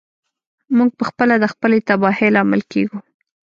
موږ پخپله د خپلې تباهۍ لامل کیږو.